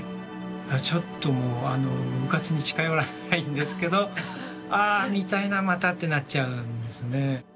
だからちょっともううかつに近寄らないんですけど「ああ見たいなまた」ってなっちゃうんですね。